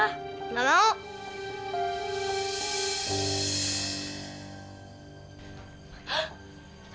ya udah sekarang aku tanya